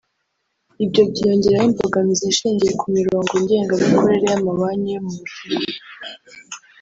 Ibyo byiyongeraho imbogamizi ishingiye ku mirongo ngengamikorere y’amabanki yo mu Bushinwa